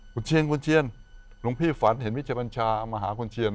คุณเชียงคุณเชียนหลวงพี่ฝันเห็นวิชบัญชามหาคุณเชียน